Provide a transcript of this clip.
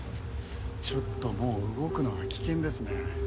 ちょっともう動くのは危険ですね。